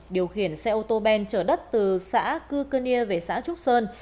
điều khiển xe ô tô ben trở đất từ xã cư cơ nia về xã trúc sơn